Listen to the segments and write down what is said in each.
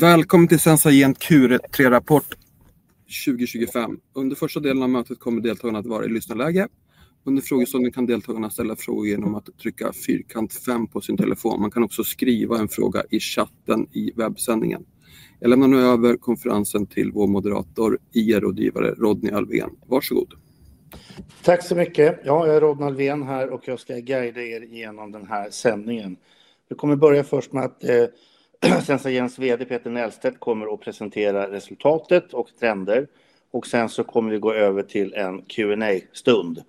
Välkommen till Sensagent Q3-rapport 2025. Under första delen av mötet kommer deltagarna att vara i lyssnarläge. Under frågestunden kan deltagarna ställa frågor genom att trycka fyrkant 5 på sin telefon. Man kan också skriva en fråga i chatten i webbsändningen. Jag lämnar nu över konferensen till vår moderator, IR-rådgivare Rodney Alvén. Varsågod. Tack så mycket. Ja, jag är Rodney Alvén här och jag ska guida genom den här sändningen. Jag kommer börja först med att Sensagens VD Peter Nahlstedt kommer att presentera resultatet och trender, och sen så kommer vi gå över till en Q&A-stund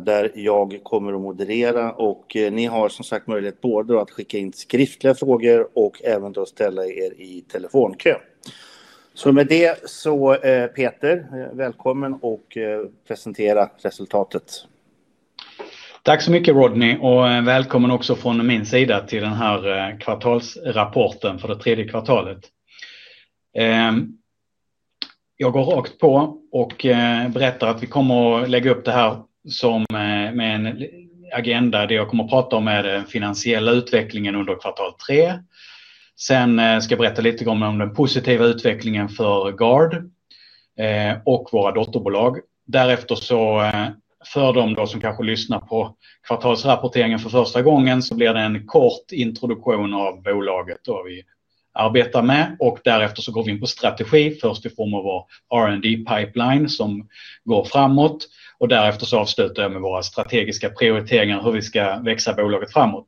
där jag kommer att moderera, och ni har som sagt möjlighet både att skicka in skriftliga frågor och även då ställa i telefonkö. Så med det så, Peter, välkommen och presentera resultatet. Tack så mycket, Rodney, och välkommen också från min sida till den här kvartalsrapporten för det tredje kvartalet. Jag går rakt på och berättar att vi kommer att lägga upp det här med en agenda. Det jag kommer att prata om är den finansiella utvecklingen under kvartal tre. Sen ska jag berätta lite om den positiva utvecklingen för Guard och våra dotterbolag. Därefter så, för de då som kanske lyssnar på kvartalsrapporteringen för första gången, så blir det en kort introduktion av bolaget då vi arbetar med, och därefter så går vi in på strategi först i form av vår R&D-pipeline som går framåt, och därefter så avslutar jag med våra strategiska prioriteringar, hur vi ska växa bolaget framåt.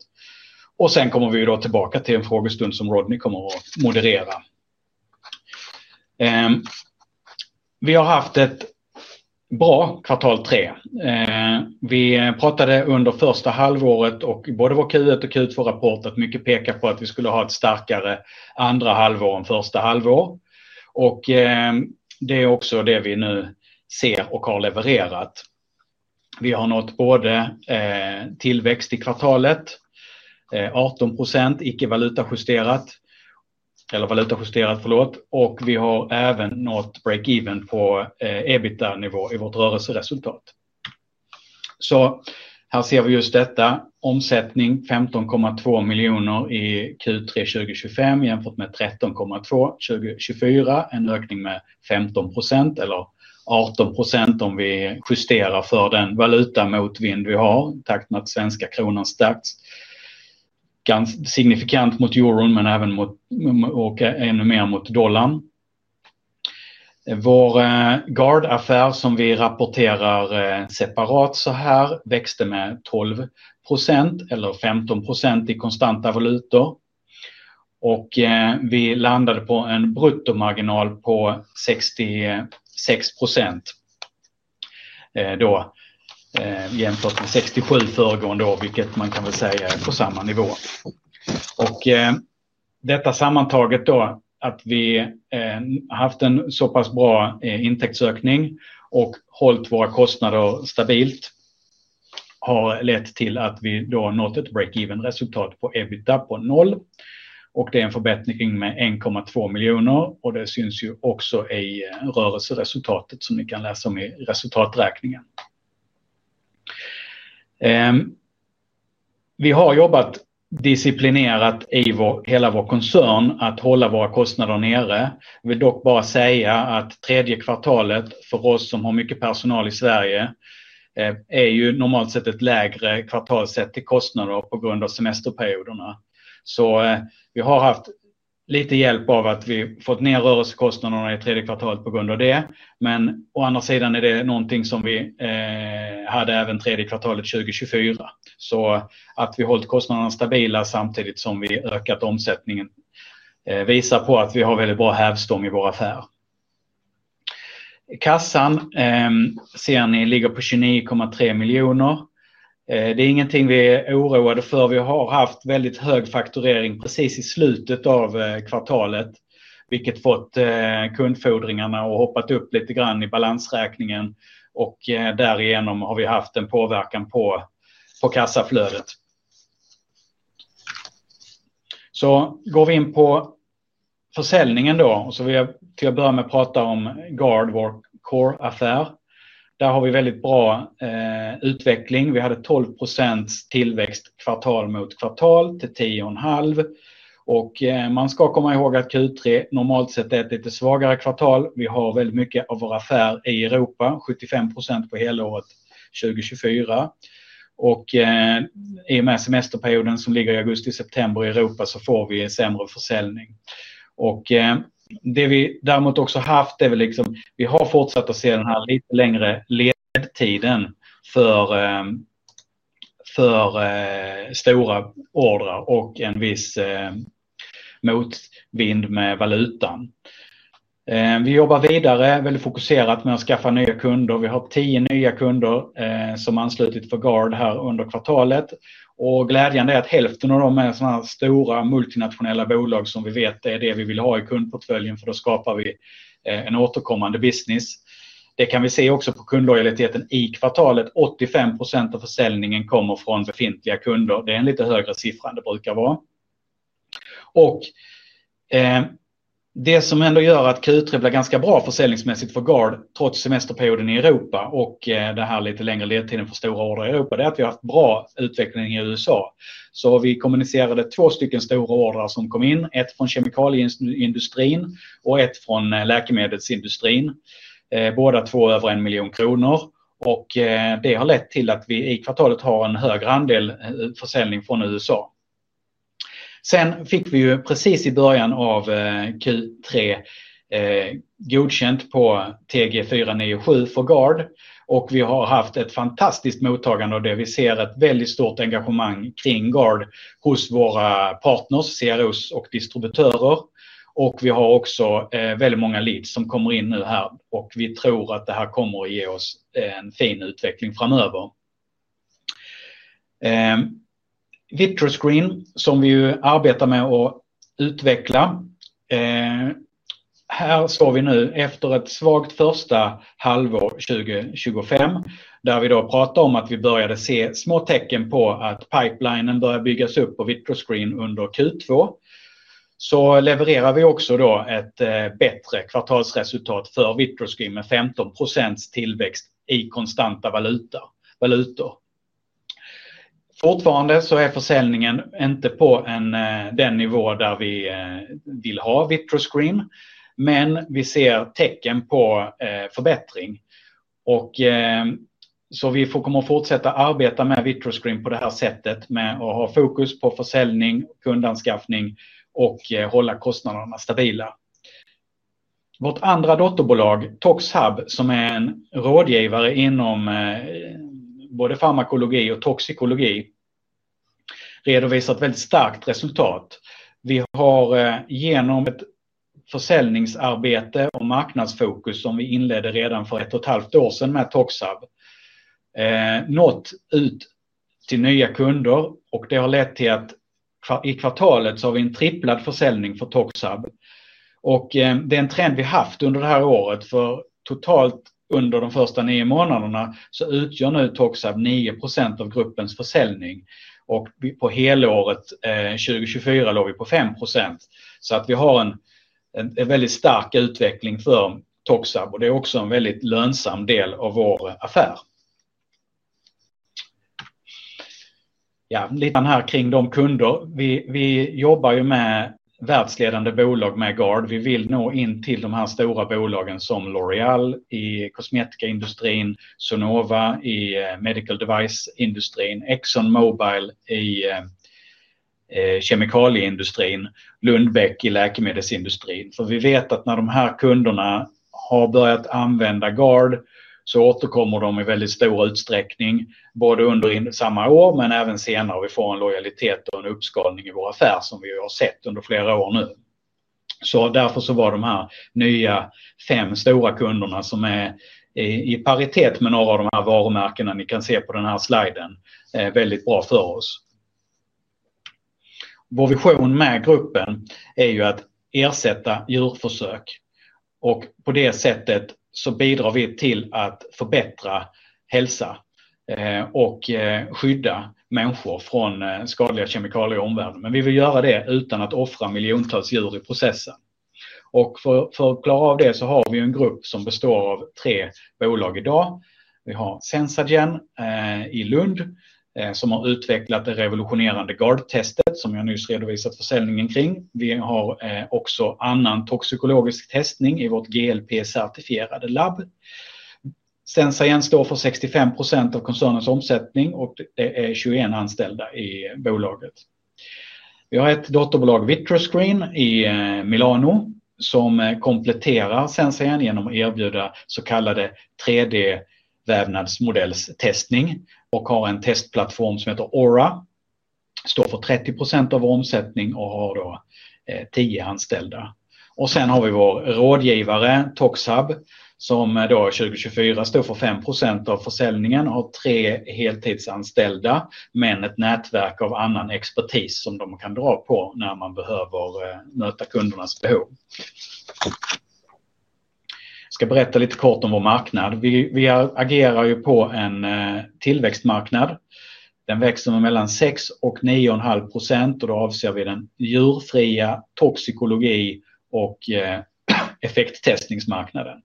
Sen kommer vi ju då tillbaka till en frågestund som Rodney kommer att moderera. Vi har haft ett bra kvartal tre. Vi pratade under första halvåret och både vår Q1 och Q2-rapport att mycket pekar på att vi skulle ha ett starkare andra halvår än första halvår. Det är också det vi nu ser och har levererat. Vi har nått både tillväxt i kvartalet 18%, icke valutajusterat eller valutajusterat, förlåt, och vi har även nått break-even på EBITDA-nivå i vårt rörelseresultat. Här ser vi just detta: omsättning 15,2 miljoner i Q3 2025, jämfört med 13,2 2024, en ökning med 15% eller 18% om vi justerar för den valuta motvind vi har, tack att svenska kronan stärkts signifikant mot euron, men även mot ännu mer mot dollarn. Vår Guard-affär som vi rapporterar separat växte med 12% eller 15% i konstanta valutor. Vi landade på en bruttomarginal på 66%. Jämfört med 67 föregående år, vilket man kan väl säga är på samma nivå. Detta sammantaget då, att vi haft en så pass bra intäktsökning och hållit våra kostnader stabilt, har lett till att vi då nått ett break-even-resultat på EBITDA på noll, och det är en förbättring med 1,2 miljoner, och det syns också i rörelseresultatet som ni kan läsa om i resultaträkningen. Vi har jobbat disciplinerat i hela vår koncern att hålla våra kostnader nere. Jag vill dock bara säga att tredje kvartalet för oss som har mycket personal i Sverige är ju normalt sett ett lägre kvartal sett till kostnader på grund av semesterperioderna. Vi har haft lite hjälp av att vi fått ner rörelsekostnaderna i tredje kvartalet på grund av det, men å andra sidan är det någonting som vi hade även tredje kvartalet 2024. Vi har hållit kostnaderna stabila samtidigt som vi ökat omsättningen. Visar på att vi har väldigt bra hävstång i vår affär. Kassan ligger på 29,3 miljoner. Det är ingenting vi är oroade för. Vi har haft väldigt hög fakturering precis i slutet av kvartalet, vilket fått kundfordringarna att hoppa upp lite grann i balansräkningen, och därigenom har vi haft en påverkan på kassaflödet. Går vi in på försäljningen då, och jag vill till att börja med prata om Guard, vår core-affär. Där har vi väldigt bra utveckling. Vi hade 12% tillväxt kvartal mot kvartal till 10,5, och man ska komma ihåg att Q3 normalt sett är ett lite svagare kvartal. Vi har väldigt mycket av vår affär i Europa, 75% på hela året 2024. I och med semesterperioden som ligger i augusti och september i Europa får vi sämre försäljning. Och det vi däremot också har haft är väl liksom vi har fortsatt att se den här lite längre ledtiden för stora ordrar och en viss motvind med valutan. Vi jobbar vidare väldigt fokuserat med att skaffa nya kunder. Vi har haft tio nya kunder som anslutit för Guard här under kvartalet, och glädjande är att hälften av dem är sådana här stora multinationella bolag som vi vet är det vi vill ha i kundportföljen, för då skapar vi en återkommande business. Det kan vi se också på kundlojaliteten i kvartalet. 85% av försäljningen kommer från befintliga kunder. Det är en lite högre siffra än det brukar vara. Det som ändå gör att Q3 blev ganska bra försäljningsmässigt för Guard, trots semesterperioden i Europa och den här lite längre ledtiden för stora ordrar i Europa, det är att vi har haft bra utveckling i USA. Vi kommunicerade två stycken stora ordrar som kom in, ett från kemikalieindustrin och ett från läkemedelsindustrin. Båda två över en miljon kronor, och det har lett till att vi i kvartalet har en högre andel försäljning från USA. Vi fick precis i början av Q3 godkänt på TG497 för Guard, och vi har haft ett fantastiskt mottagande av det. Vi ser ett väldigt stort engagemang kring Guard hos våra partners, CROs och distributörer, och vi har också väldigt många leads som kommer in nu här, och vi tror att det här kommer att ge oss en fin utveckling framöver. Vittroscreen som vi arbetar med att utveckla. Här står vi nu efter ett svagt första halvår 2024, där vi då pratar om att vi började se små tecken på att pipelinen börjar byggas upp på Vittroscreen under Q2. Så levererar vi också då ett bättre kvartalsresultat för Vittroscreen med 15% tillväxt i konstanta valutor. Fortfarande så är försäljningen inte på den nivå där vi vill ha Vittroscreen, men vi ser tecken på förbättring. Vi får komma och fortsätta arbeta med Vittroscreen på det här sättet, med att ha fokus på försäljning, kundanskaffning och hålla kostnaderna stabila. Vårt andra dotterbolag, ToxHub, som är en rådgivare inom både farmakologi och toxikologi, redovisat väldigt starkt resultat. Vi har genom ett försäljningsarbete och marknadsfokus som vi inledde redan för ett och ett halvt år sedan med ToxHub nått ut till nya kunder, och det har lett till att i kvartalet så har vi en triplad försäljning för ToxHub. Och det är en trend vi haft under det här året, för totalt under de första nio månaderna så utgör nu ToxHub 9% av gruppens försäljning, och på helåret 2024 låg vi på 5%. Så att vi har en väldigt stark utveckling för ToxHub, och det är också en väldigt lönsam del av vår affär. Lite grann här kring de kunder. Vi jobbar ju med världsledande bolag med Guard. Vi vill nå in till de här stora bolagen som L'Oréal i kosmetikaindustrin, Sonova i medical device-industrin, ExxonMobil i kemikalieindustrin, Lundbeck i läkemedelsindustrin. För vi vet att när de här kunderna har börjat använda Guard så återkommer de i väldigt stor utsträckning både under samma år, men även senare. Vi får en lojalitet och en uppskalning i vår affär som vi har sett under flera år nu. Därför var de här nya fem stora kunderna som är i paritet med några av de här varumärkena ni kan se på den här sliden, väldigt bra för oss. Vår vision med gruppen är ju att ersätta djurförsök, och på det sättet bidrar vi till att förbättra hälsa och skydda människor från skadliga kemikalier i omvärlden. Men vi vill göra det utan att offra miljontals djur i processen. För att klara av det har vi ju en grupp som består av tre bolag idag. Vi har Sensagen i Lund som har utvecklat det revolutionerande Guard-testet som jag nyss redovisat försäljningen kring. Vi har också annan toxikologisk testning i vårt GLP-certifierade labb. Sensagen står för 65% av koncernens omsättning, och det är 21 anställda i bolaget. Vi har ett dotterbolag, Vittroscreen i Milano, som kompletterar Sensagen genom att erbjuda så kallade 3D-vävnadsmodellstestning och har en testplattform som heter Aura. Står för 30% av vår omsättning och har då 10 anställda. Sen har vi vår rådgivare, ToxHub, som då 2024 står för 5% av försäljningen och har tre heltidsanställda, men ett nätverk av annan expertis som de kan dra på när man behöver möta kundernas behov. Jag ska berätta lite kort om vår marknad. Vi agerar ju på en tillväxtmarknad. Den växer mellan 6 och 9,5%, och då avser vi den djurfria toxikologi och effektestningsmarknaden.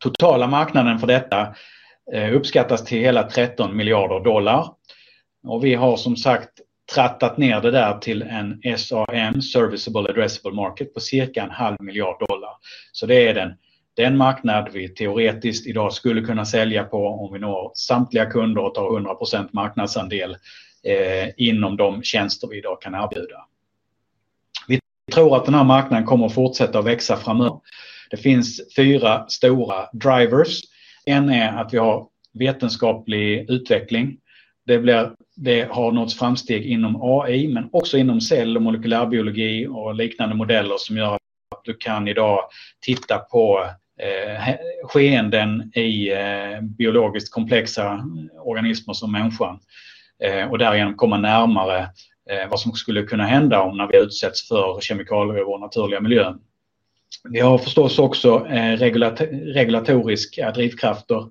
Totala marknaden för detta uppskattas till hela $13 miljarder, och vi har som sagt trattat ner det där till en SAM, Serviceable Addressable Market, på cirka en halv miljard dollar. Det är den marknad vi teoretiskt idag skulle kunna sälja på om vi når samtliga kunder och tar 100% marknadsandel inom de tjänster vi idag kan erbjuda. Vi tror att den här marknaden kommer att fortsätta att växa framöver. Det finns fyra stora drivers. En är att vi har vetenskaplig utveckling. Det blir framsteg inom AI, men också inom cell- och molekylärbiologi och liknande modeller som gör att du kan idag titta på skeenden i biologiskt komplexa organismer som människan, och därigenom komma närmare vad som skulle kunna hända när vi utsätts för kemikalier i vår naturliga miljö. Vi har förstås också regulatoriska drivkrafter.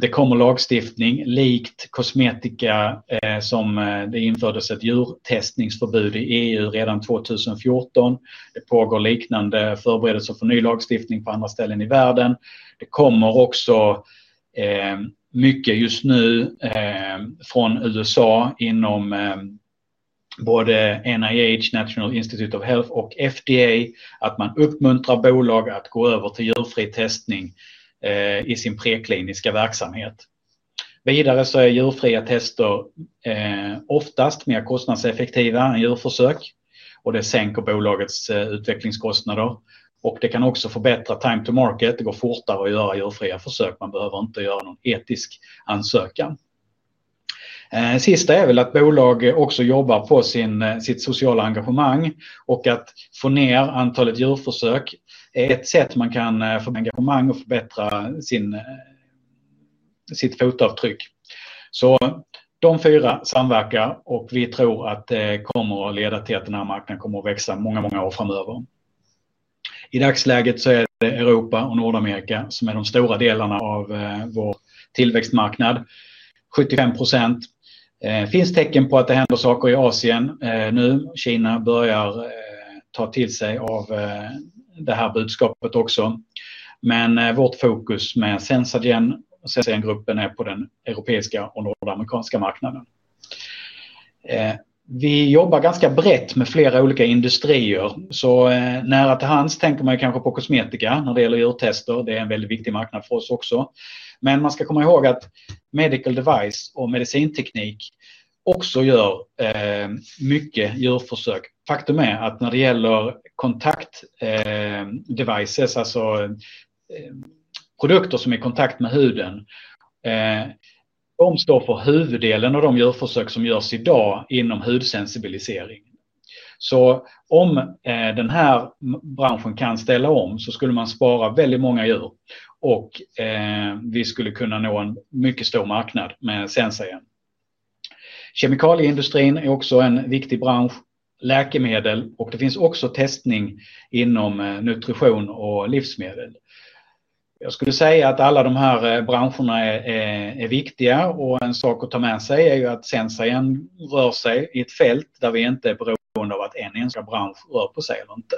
Det kommer lagstiftning likt kosmetika som det infördes ett djurtestningsförbud i EU redan 2014. Det pågår liknande förberedelser för ny lagstiftning på andra ställen i världen. Mycket just nu från USA inom både NIH, National Institute of Health och FDA, att man uppmuntrar bolag att gå över till djurfri testning i sin prekliniska verksamhet. Vidare så är djurfria tester oftast mer kostnadseffektiva än djurförsök, och det sänker bolagets utvecklingskostnader, och det kan också förbättra time to market. Det går fortare att göra djurfria försök. Man behöver inte göra någon etisk ansökan. Det sista är väl att bolag också jobbar på sitt sociala engagemang och att få ner antalet djurförsök är ett sätt man kan få engagemang och förbättra sitt fotavtryck. De fyra samverkar, och vi tror att det kommer att leda till att den här marknaden kommer att växa många, många år framöver. I dagsläget så är det Europa och Nordamerika som är de stora delarna av vår tillväxtmarknad. 75%. Det finns tecken på att det händer saker i Asien nu. Kina börjar ta till sig av det här budskapet också. Men vårt fokus med Sensagen och Sensagen-gruppen är på den europeiska och nordamerikanska marknaden. Vi jobbar ganska brett med flera olika industrier. Så nära till hands tänker man ju kanske på kosmetika när det gäller djurtester. Det är en väldigt viktig marknad för oss också. Men man ska komma ihåg att medical device och medicinteknik också gör mycket djurförsök. Faktum är att när det gäller kontaktdevices, alltså produkter som är i kontakt med huden, de står för huvuddelen av de djurförsök som görs idag inom hudsensibilisering. Så om den här branschen kan ställa om så skulle man spara väldigt många djur, och vi skulle kunna nå en mycket stor marknad med Sensagen. Kemikalieindustrin är också en viktig bransch, läkemedel, och det finns också testning inom nutrition och livsmedel. Jag skulle säga att alla de här branscherna är viktiga, och en sak att ta med sig är ju att Sensagen rör sig i ett fält där vi inte är beroende av att en enskild bransch rör på sig eller inte.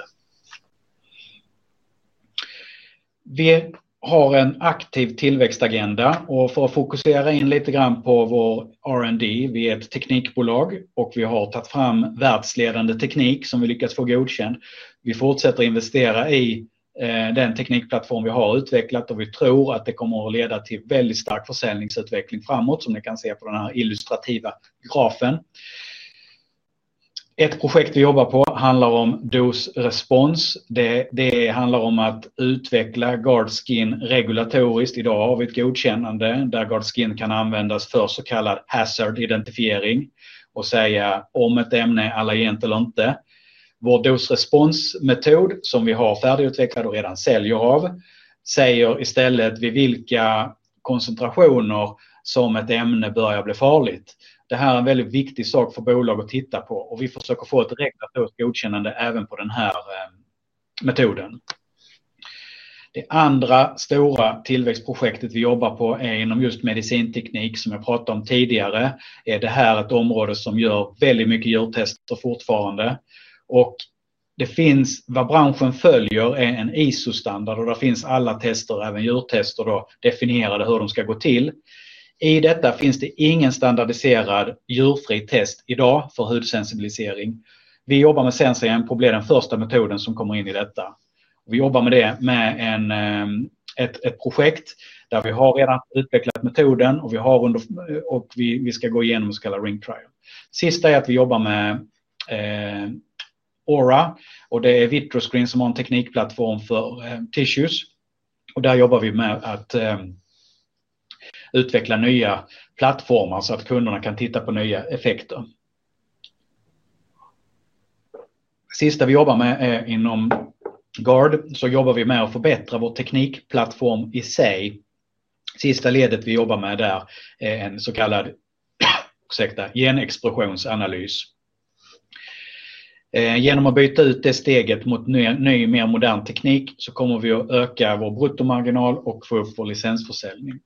Vi har en aktiv tillväxtagenda, och för att fokusera in lite grann på vår R&D. Vi är ett teknikbolag, och vi har tagit fram världsledande teknik som vi lyckats få godkänd. Vi fortsätter investera i den teknikplattform vi har utvecklat, och vi tror att det kommer att leda till väldigt stark försäljningsutveckling framåt, som ni kan se på den här illustrativa grafen. Ett projekt vi jobbar på handlar om dosrespons. Det handlar om att utveckla Guard Skin regulatoriskt. Idag har vi ett godkännande där Guard Skin kan användas för så kallad hazard-identifiering och säga om ett ämne är allergent eller inte. Vår dosresponsmetod, som vi har färdigutvecklad och redan säljer av, säger istället vid vilka koncentrationer som ett ämne börjar bli farligt. Det här är en väldigt viktig sak för bolag att titta på, och vi försöker få ett regulatoriskt godkännande även på den här metoden. Det andra stora tillväxtprojektet vi jobbar på är inom just medicinteknik, som jag pratade om tidigare. Är det här ett område som gör väldigt mycket djurtester fortfarande? Och det finns, vad branschen följer, är en ISO-standard, och där finns alla tester, även djurtester, då definierade hur de ska gå till. I detta finns det ingen standardiserad djurfri test idag för hudsensibilisering. Vi jobbar med Sensagen på att bli den första metoden som kommer in i detta. Vi jobbar med det med ett projekt där vi har redan utvecklat metoden, och vi har under, och vi ska gå igenom så kallade ring trial. Sista är att vi jobbar med Aura, och det är Vittroscreen som har en teknikplattform för tissues, och där jobbar vi med att utveckla nya plattformar så att kunderna kan titta på nya effekter. Sista vi jobbar med är inom Guard, så jobbar vi med att förbättra vår teknikplattform i sig. Sista ledet vi jobbar med där är en så kallad genexpressionsanalys. Genom att byta ut det steget mot ny, mer modern teknik så kommer vi att öka vår bruttomarginal och få upp vår licensförsäljning.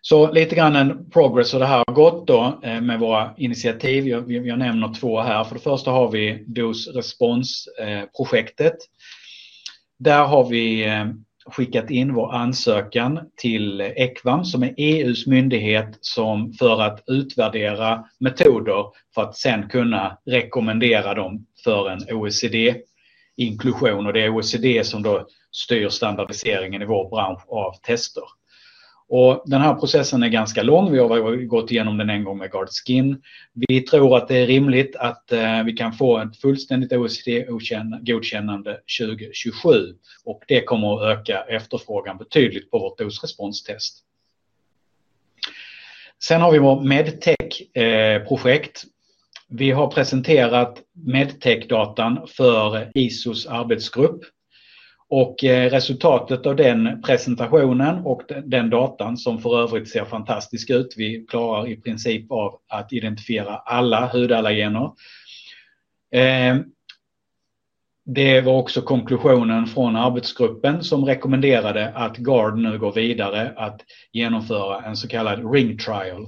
Så lite grann en progress hur det här har gått då med våra initiativ. Jag nämner två här. För det första har vi dosrespons-projektet. Där har vi skickat in vår ansökan till ECVAM, som är EUs myndighet för att utvärdera metoder för att sedan kunna rekommendera dem för en OECD-inklusion. Och det är OECD som då styr standardiseringen i vår bransch av tester. Och den här processen är ganska lång. Vi har gått igenom den en gång med Guard Skin. Vi tror att det är rimligt att vi kan få ett fullständigt OECD-godkännande 2027, och det kommer att öka efterfrågan betydligt på vårt dosresponstest. Sen har vi våra MedTech-projekt. Vi har presenterat MedTech-datan för ISOs arbetsgrupp, och resultatet av den presentationen och den datan som för övrigt ser fantastisk ut. Vi klarar i princip av att identifiera alla hudallergener. Det var också konklusionen från arbetsgruppen som rekommenderade att Guard nu går vidare att genomföra en så kallad ring trial.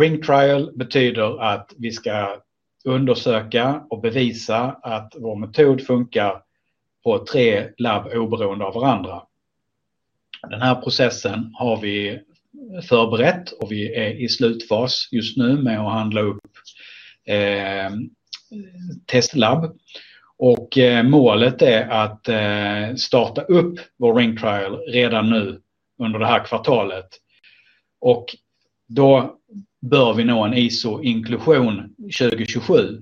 Ring trial betyder att vi ska undersöka och bevisa att vår metod funkar på tre labb oberoende av varandra. Den här processen har vi förberett, och vi är i slutfas just nu med att handla upp testlabb. Målet är att starta upp vår ring trial redan nu under det här kvartalet. Och då bör vi nå en ISO-inklusion 2027,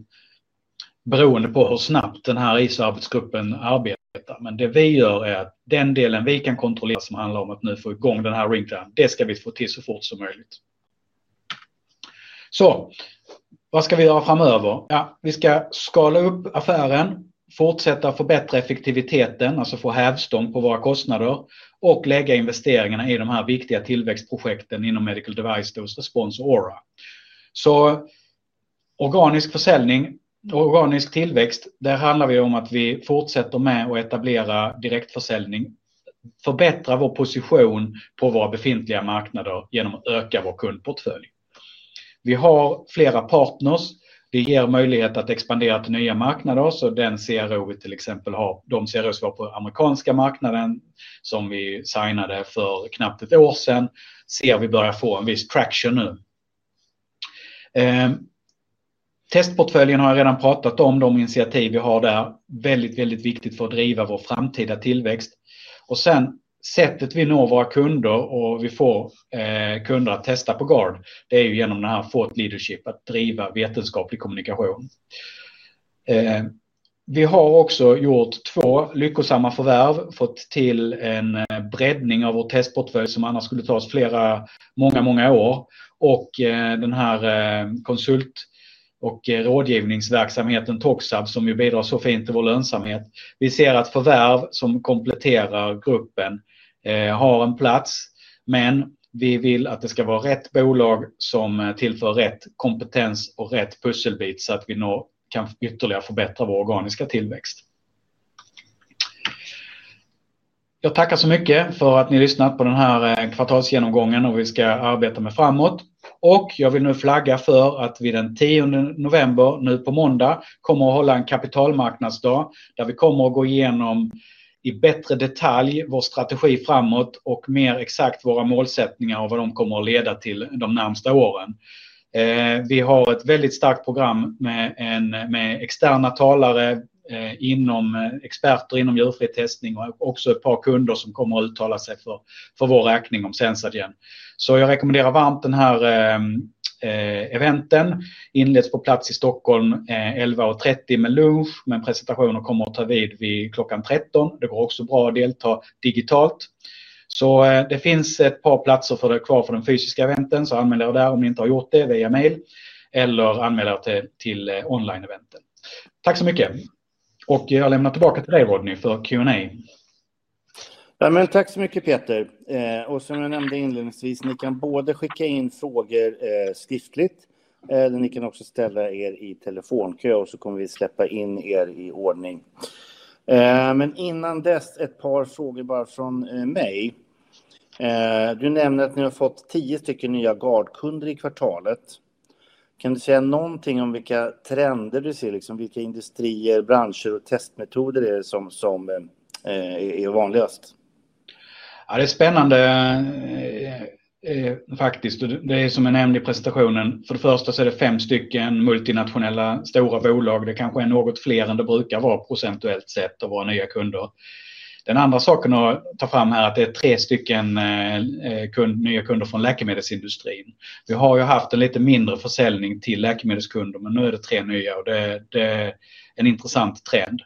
beroende på hur snabbt den här ISO-arbetsgruppen arbetar. Men det vi gör är att den delen vi kan kontrollera som handlar om att nu få igång den här ring trial, det ska vi få till så fort som möjligt. Vad ska vi göra framöver? Ja, vi ska skala upp affären, fortsätta förbättra effektiviteten, alltså få hävstång på våra kostnader, och lägga investeringarna i de här viktiga tillväxtprojekten inom medical device dos response och Aura. Organisk försäljning och organisk tillväxt, där handlar vi om att vi fortsätter med att etablera direktförsäljning, förbättra vår position på våra befintliga marknader genom att öka vår kundportfölj. Vi har flera partners. Vi ger möjlighet att expandera till nya marknader, så den CRO vi till exempel har, de CROs vi har på amerikanska marknaden som vi signade för knappt ett år sedan, ser vi börjar få en viss traction nu. Testportföljen har jag redan pratat om, de initiativ vi har där. Väldigt, väldigt viktigt för att driva vår framtida tillväxt. Sen sättet vi når våra kunder och vi får kunder att testa på Guard, det är ju genom den här thought leadership, att driva vetenskaplig kommunikation. Vi har också gjort två lyckosamma förvärv, fått till en breddning av vår testportfölj som annars skulle ta oss flera, många, många år. Den här konsult- och rådgivningsverksamheten, ToxAB, som ju bidrar så fint till vår lönsamhet. Vi ser att förvärv som kompletterar gruppen har en plats, men vi vill att det ska vara rätt bolag som tillför rätt kompetens och rätt pusselbit så att vi kan ytterligare förbättra vår organiska tillväxt. Jag tackar så mycket för att ni lyssnat på den här kvartalsgenomgången och vad vi ska arbeta med framåt. Jag vill nu flagga för att vi den 10 november, nu på måndag, kommer att hålla en kapitalmarknadsdag där vi kommer att gå igenom i bättre detalj vår strategi framåt och mer exakt våra målsättningar och vad de kommer att leda till de närmaste åren. Vi har ett väldigt starkt program med externa talare, experter inom djurfri testning och också ett par kunder som kommer att uttala sig för vår räkning om Sensagen. Så jag rekommenderar varmt det här evenemanget. Inleds på plats i Stockholm 11:30 med lunch, men presentationen kommer att ta vid vid klockan 13:00. Det går också bra att delta digitalt. Så det finns ett par platser för det kvar för den fysiska eventen, så anmäl där om ni inte har gjort det via mail eller anmäl till online-eventen. Tack så mycket. Jag lämnar tillbaka till dig, Rodney, för Q&A. Ja, men tack så mycket, Peter. Som jag nämnde inledningsvis, ni kan både skicka in frågor skriftligt eller ni kan också ställa i telefonkö, och så kommer vi släppa in i ordning. Men innan dess ett par frågor bara från mig. Du nämner att ni har fått tio stycken nya Guard-kunder i kvartalet. Kan du säga någonting om vilka trender du ser, liksom vilka industrier, branscher och testmetoder är det som är vanligast? Ja, det är spännande, faktiskt. Det är som jag nämnde i presentationen. För det första så är det fem stycken multinationella stora bolag. Det kanske är något fler än det brukar vara procentuellt sett av våra nya kunder. Den andra saken att ta fram här är att det är tre stycken nya kunder från läkemedelsindustrin. Vi har ju haft en lite mindre försäljning till läkemedelskunder, men nu är det tre nya, och det är en intressant trend.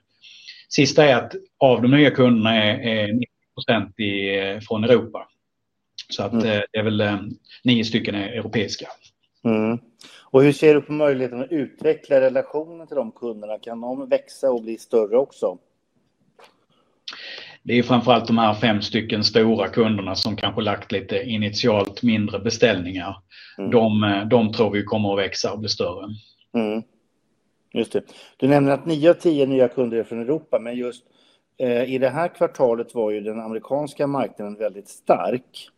Sista är att av de nya kunderna är 90% från Europa. Så det är nio stycken är europeiska. Hur ser du på möjligheten att utveckla relationen till de kunderna? Kan de växa och bli större också? Det är ju framförallt de här fem stycken stora kunderna som kanske lagt lite initialt mindre beställningar. De tror vi ju kommer att växa och bli större. Just det. Du nämner att nio av tio nya kunder är från Europa, men just i det här kvartalet var ju den amerikanska marknaden väldigt stark.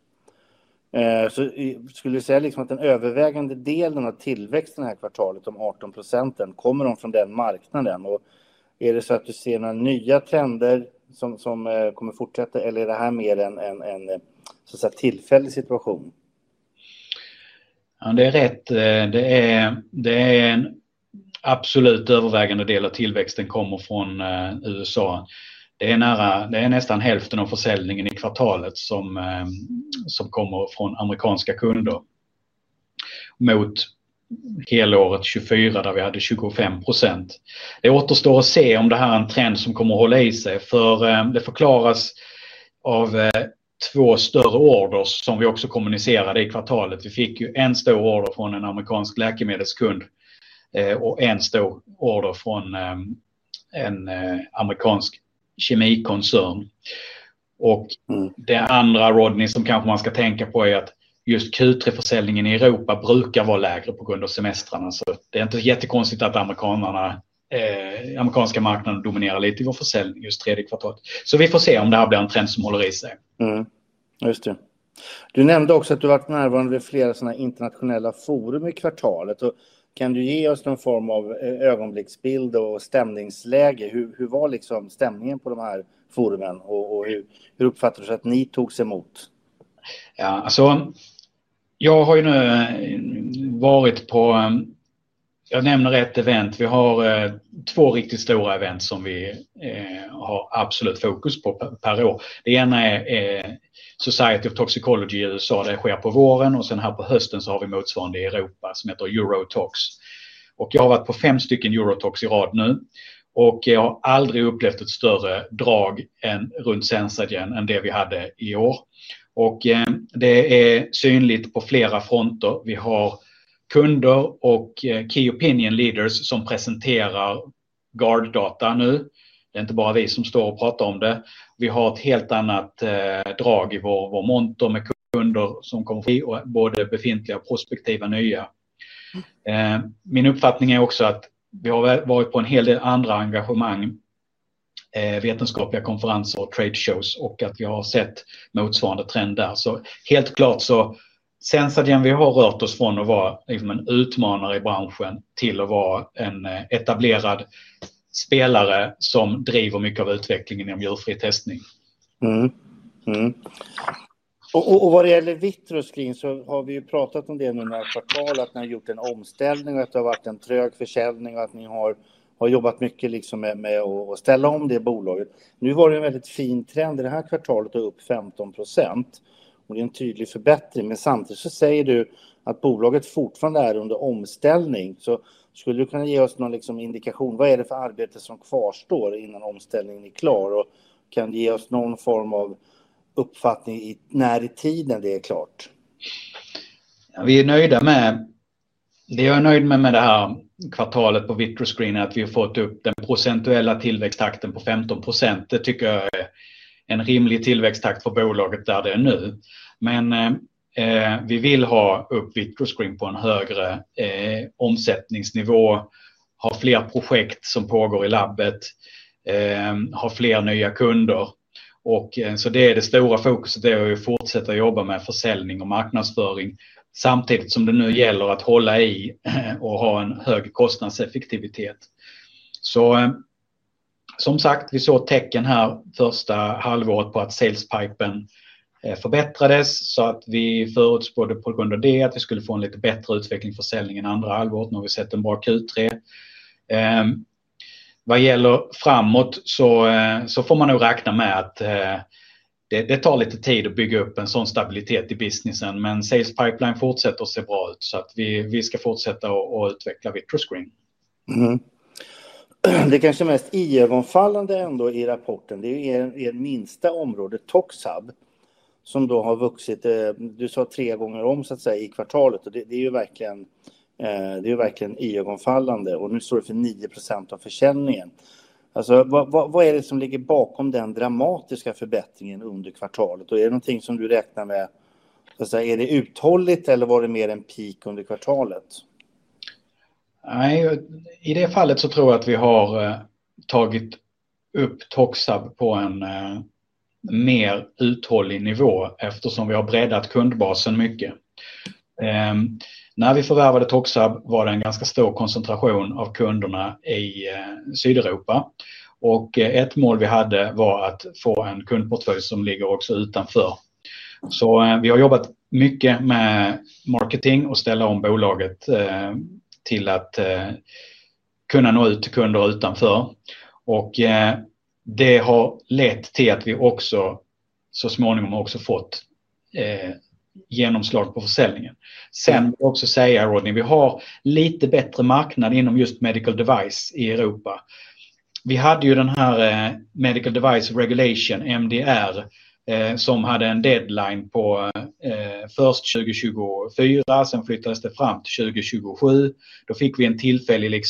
Så skulle du säga liksom att den övervägande delen av tillväxten i det här kvartalet, de 18%, kommer de från den marknaden? Och är det så att du ser några nya trender som kommer fortsätta, eller är det här mer en tillfällig situation? Ja, det är rätt. Det är en absolut övervägande del av tillväxten som kommer från USA. Det är nära, det är nästan hälften av försäljningen i kvartalet som kommer från amerikanska kunder. Mot helåret 2024 där vi hade 25%. Det återstår att se om det här är en trend som kommer att hålla i sig, för det förklaras av två större order som vi också kommunicerade i kvartalet. Vi fick ju en stor order från en amerikansk läkemedelskund, och en stor order från en amerikansk kemikoncern. Och det andra, Rodney, som kanske man ska tänka på, är att just Q3-försäljningen i Europa brukar vara lägre på grund av semestrarna. Det är inte jättekonstigt att amerikanerna, amerikanska marknaden dominerar lite i vår försäljning just tredje kvartalet. Vi får se om det här blir en trend som håller i sig. Du nämnde också att du har varit närvarande vid flera sådana här internationella forum i kvartalet. Kan du ge oss någon form av ögonblicksbild och stämningsläge? Hur var stämningen på de här forumen och hur uppfattades det att ni togs emot? Jag har nu varit på... Jag nämner ett event. Vi har två riktigt stora event som vi har absolut fokus på per år. Det ena är Society of Toxicology i USA. Det sker på våren, och sen här på hösten så har vi motsvarande i Europa som heter EuroTox. Jag har varit på fem stycken EuroTox i rad nu. Jag har aldrig upplevt ett större drag än runt Sensagen än det vi hade i år. Det är synligt på flera fronter. Vi har kunder och key opinion leaders som presenterar Guard-data nu. Det är inte bara vi som står och pratar om det. Vi har ett helt annat drag i vår monter med kunder som kommer förbi och både befintliga och prospektiva nya. Min uppfattning är också att vi har varit på en hel del andra engagemang. Vetenskapliga konferenser och trade shows, och att vi har sett motsvarande trend där. Så helt klart så Sensagen, vi har rört oss från att vara liksom en utmanare i branschen till att vara en etablerad spelare som driver mycket av utvecklingen inom djurfri testning. Vad det gäller Vittroskrin så har vi ju pratat om det nu när det här kvartalet, att ni har gjort en omställning och att det har varit en trög försäljning och att ni har jobbat mycket liksom med att ställa om det bolaget. Nu var det en väldigt fin trend i det här kvartalet och upp 15%. Det är en tydlig förbättring, men samtidigt så säger du att bolaget fortfarande är under omställning. Skulle du kunna ge oss någon liksom indikation? Vad är det för arbete som kvarstår innan omställningen är klar? Kan du ge oss någon form av uppfattning i när i tiden det är klart? Ja, vi är nöjda med. Det jag är nöjd med med det här kvartalet på Vittroskrin är att vi har fått upp den procentuella tillväxttakten på 15%. Det tycker jag är en rimlig tillväxttakt för bolaget där det är nu. Men vi vill ha upp Vittroskrin på en högre omsättningsnivå, ha fler projekt som pågår i labbet, ha fler nya kunder. Det är det stora fokuset, det är att fortsätta jobba med försäljning och marknadsföring, samtidigt som det nu gäller att hålla i och ha en hög kostnadseffektivitet. Som sagt, vi såg tecken här första halvåret på att salespipen förbättrades, så att vi förutspådde på grund av det att vi skulle få en lite bättre utveckling i försäljningen andra halvåret när vi sett en bra Q3. Vad gäller framåt så får man nog räkna med att. Det tar lite tid att bygga upp en sådan stabilitet i businessen, men salespipeline fortsätter att se bra ut, så vi ska fortsätta att utveckla Vittroskrin. Det kanske är mest iögonfallande ändå i rapporten, det är ju minsta området, ToxHub, som då har vuxit, du sa tre gånger om så att säga, i kvartalet, och det är ju verkligen iögonfallande, och nu står det för 9% av försäljningen. Alltså, vad är det som ligger bakom den dramatiska förbättringen under kvartalet? Och är det någonting som du räknar med, så att säga, är det uthålligt eller var det mer en peak under kvartalet? Nej, i det fallet så tror jag att vi har tagit upp ToxHub på en mer uthållig nivå, eftersom vi har breddat kundbasen mycket. När vi förvärvade ToxHub var det en ganska stor koncentration av kunderna i Sydeuropa, och ett mål vi hade var att få en kundportfölj som ligger också utanför. Vi har jobbat mycket med marketing och ställa om bolaget till att kunna nå ut till kunder utanför. Det har lett till att vi också så småningom har fått genomslag på försäljningen. Sen vill jag också säga, Rodney, vi har lite bättre marknad inom just medical device i Europa. Vi hade ju den här medical device regulation, MDR, som hade en deadline på först 2024, sen flyttades det fram till 2027. Då fick vi en tillfällig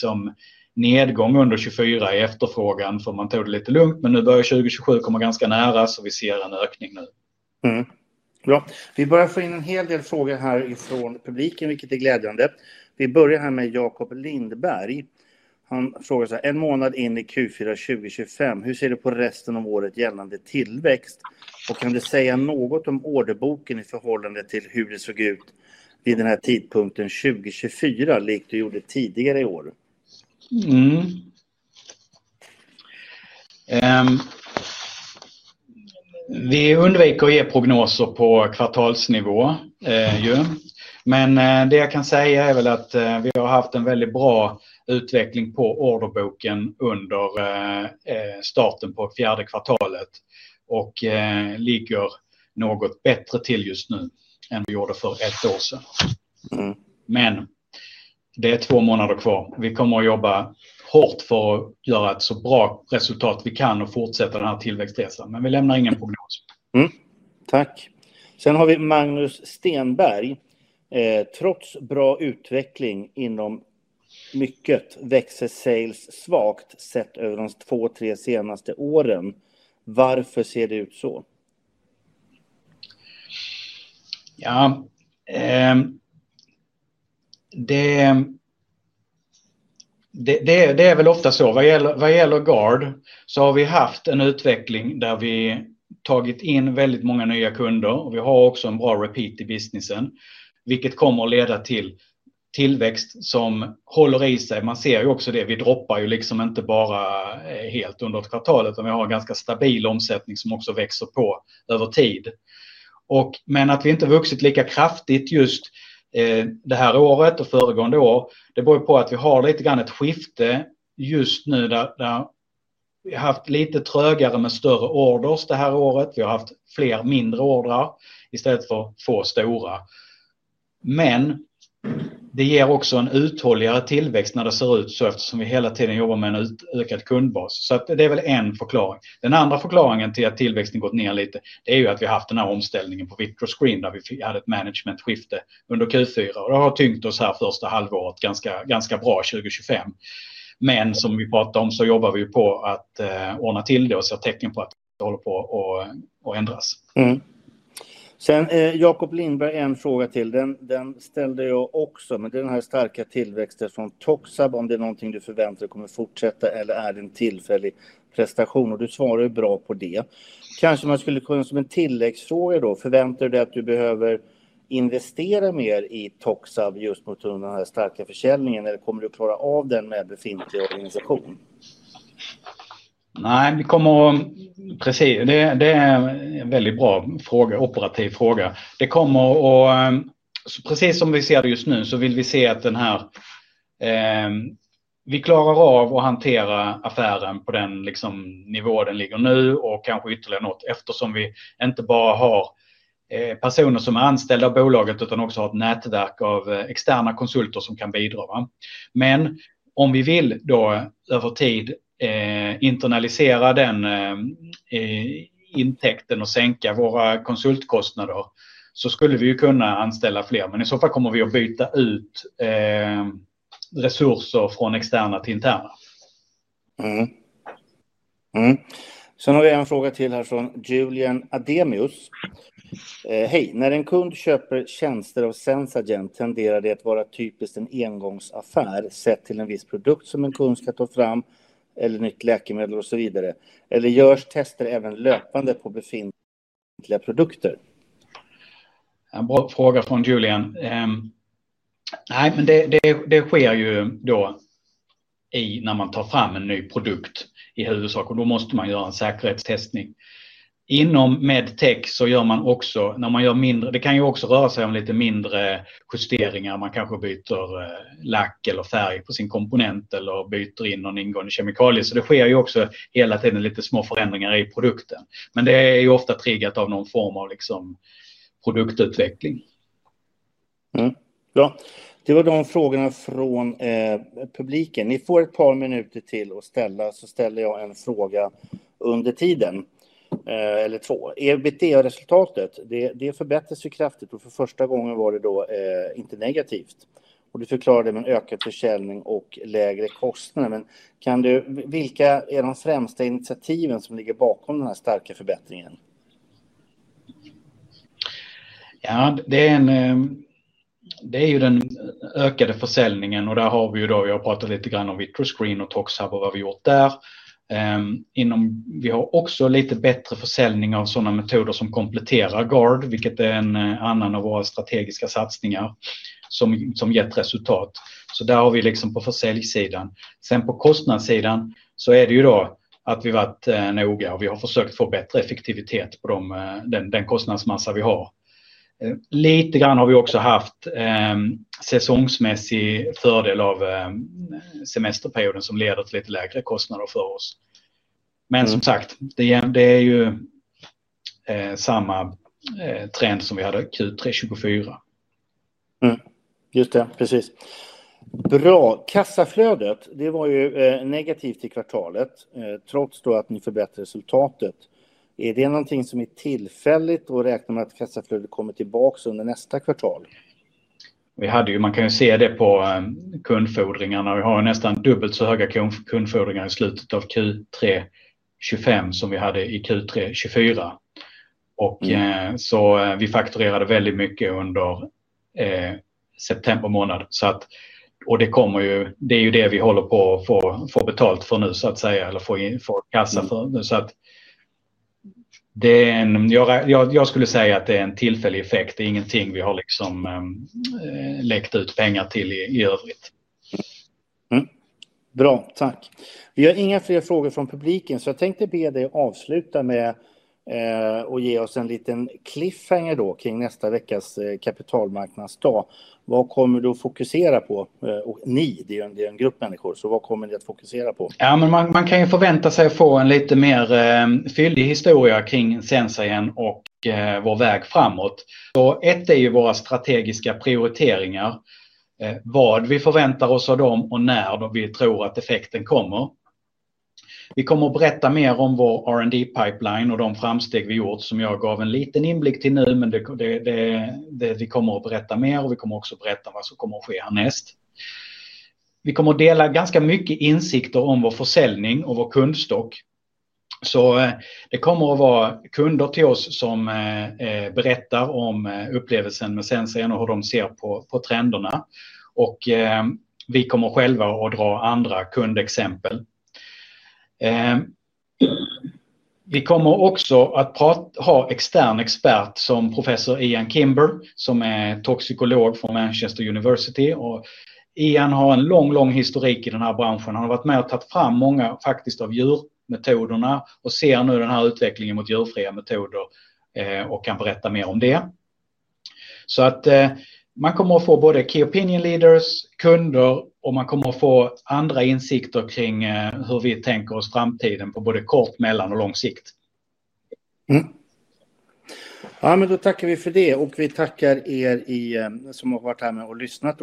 nedgång under 2024 i efterfrågan, för man tog det lite lugnt, men nu börjar 2027 komma ganska nära, så vi ser en ökning nu. Bra. Vi börjar få in en hel del frågor här ifrån publiken, vilket är glädjande. Vi börjar här med Jacob Lindberg. Han frågar så här: "En månad in i Q4 2025, hur ser du på resten av året gällande tillväxt? Och kan du säga något om orderboken i förhållande till hur det såg ut vid den här tidpunkten 2024, likt du gjorde tidigare i år?" Vi undviker att ge prognoser på kvartalsnivå. Men det jag kan säga är att vi har haft en väldigt bra utveckling på orderboken under starten på fjärde kvartalet. Och ligger något bättre till just nu än vi gjorde för ett år sedan. Men det är två månader kvar. Vi kommer att jobba hårt för att göra ett så bra resultat vi kan och fortsätta den här tillväxtresan. Men vi lämnar ingen prognos. Tack. Sen har vi Magnus Stenberg. Trots bra utveckling inom mycket växer sales svagt sett över de två, tre senaste åren. Varför ser det ut så? Ja. Det är väl ofta så. Vad gäller Guard så har vi haft en utveckling där vi tagit in väldigt många nya kunder. Vi har också en bra repeat i businessen, vilket kommer att leda till tillväxt som håller i sig. Man ser ju också det. Vi droppar ju liksom inte bara helt under ett kvartal, utan vi har en ganska stabil omsättning som också växer över tid. Men att vi inte har vuxit lika kraftigt just det här året och föregående år, det beror ju på att vi har lite grann ett skifte just nu där vi har haft lite trögare med större orders det här året. Vi har haft fler mindre ordrar istället för två stora. Men det ger också en uthålligare tillväxt när det ser ut så, eftersom vi hela tiden jobbar med en ökad kundbas. Så det är väl en förklaring. Den andra förklaringen till att tillväxten gått ner lite, det är ju att vi har haft den här omställningen på Vittroskrin där vi hade ett managementskifte under Q4. Och det har tyngt oss här första halvåret ganska bra 2025. Men som vi pratar om så jobbar vi ju på att ordna till det och ser tecken på att det håller på att ändras. Sen Jacob Lindberg, en fråga till. Den ställde jag också, men det är den här starka tillväxten från ToxHub. Om det är någonting du förväntar dig kommer fortsätta eller är det en tillfällig prestation? Och du svarar ju bra på det. Kanske man skulle kunna som en tilläggsfråga då. Förväntar du dig att du behöver investera mer i ToxHub just mot den här starka försäljningen? Eller kommer du att klara av den med befintlig organisation? Nej, vi kommer att... Precis. Det är en väldigt bra fråga, operativ fråga. Det kommer att... Precis som vi ser det just nu så vill vi se att den här... Vi klarar av att hantera affären på den nivå den ligger nu och kanske ytterligare något. Eftersom vi inte bara har personer som är anställda av bolaget utan också har ett nätverk av externa konsulter som kan bidra. Men om vi vill då över tid internalisera den intäkten och sänka våra konsultkostnader så skulle vi ju kunna anställa fler. Men i så fall kommer vi att byta ut resurser från externa till interna. Sen har vi en fråga till här från Julian Ademius. Hej. När en kund köper tjänster av Sensagen tenderar det att vara typiskt en engångsaffär sett till en viss produkt som en kund ska ta fram eller nytt läkemedel och så vidare. Eller görs tester även löpande på befintliga produkter? En fråga från Julian. Nej, men det sker ju då i när man tar fram en ny produkt i huvudsak. Och då måste man göra en säkerhetstestning inom med tech så gör man också, när man gör mindre, det kan ju också röra sig om lite mindre justeringar. Man kanske byter lack eller färg på sin komponent eller byter in någon ingående kemikalie. Så det sker ju också hela tiden lite små förändringar i produkten. Men det är ju ofta triggat av någon form av produktutveckling. Bra. Det var de frågorna från publiken. Ni får ett par minuter till att ställa, så ställer jag en fråga under tiden eller två. EBIT-resultatet förbättras ju kraftigt. Och för första gången var det då inte negativt. Och du förklarade det med en ökad försäljning och lägre kostnader. Men kan du, vilka är de främsta initiativen som ligger bakom den här starka förbättringen? Ja, det är en, det är ju den ökade försäljningen. Där har vi ju då, vi har pratat lite grann om Vittroskrin och ToxHub och vad vi har gjort där. Inom, vi har också lite bättre försäljning av sådana metoder som kompletterar Guard, vilket är en annan av våra strategiska satsningar som gett resultat. Så där har vi på försäljningssidan. Sen på kostnadssidan så är det ju då att vi har varit noga och vi har försökt få bättre effektivitet på den kostnadsmassa vi har. Lite grann har vi också haft säsongsmässig fördel av semesterperioden som leder till lite lägre kostnader för oss. Men som sagt, det är ju samma trend som vi hade Q3 2024. Just det, precis. Bra. Kassaflödet, det var ju negativt i kvartalet, trots då att ni förbättrade resultatet. Är det någonting som är tillfälligt och räknar med att kassaflödet kommer tillbaka under nästa kvartal? Vi hade ju, man kan ju se det på kundfordringarna. Vi har ju nästan dubbelt så höga kundfordringar i slutet av Q3 25 som vi hade i Q3 24. Vi fakturerade väldigt mycket under september månad. Det kommer ju, det är ju det vi håller på att få betalt för nu så att säga, eller få kassa för nu. Det är en, jag skulle säga att det är en tillfällig effekt. Det är ingenting vi har läckt ut pengar till i övrigt. Bra, tack. Vi har inga fler frågor från publiken, så jag tänkte be dig att avsluta med och ge oss en liten cliffhanger då kring nästa veckas kapitalmarknadsdag. Vad kommer du att fokusera på? Och ni, det är ju en grupp människor, så vad kommer ni att fokusera på? Ja, men man kan ju förvänta sig att få en lite mer fyllig historia kring Sensagen och vår väg framåt. Så ett är ju våra strategiska prioriteringar, vad vi förväntar oss av dem och när vi tror att effekten kommer. Vi kommer att berätta mer om vår R&D pipeline och de framsteg vi gjort som jag gav en liten inblick till nu, men det kommer vi att berätta mer om och vi kommer också att berätta vad som kommer att ske härnäst. Vi kommer att dela ganska mycket insikter om vår försäljning och vår kundstock. Så det kommer att vara kunder till oss som berättar om upplevelsen med Sensagen och hur de ser på trenderna. Vi kommer själva att dra andra kundexempel. Vi kommer också att ha extern expert som Professor Ian Kimber, som är toxikolog från Manchester University. Ian har en lång, lång historik i den här branschen. Han har varit med och tagit fram många faktiskt av djurmetoderna och ser nu den här utvecklingen mot djurfria metoder, och kan berätta mer om det. Så att man kommer att få både key opinion leaders, kunder och man kommer att få andra insikter kring hur vi tänker oss framtiden på både kort, mellan och lång sikt. Ja, men då tackar vi för det och vi tackar er som har varit här med och lyssnat.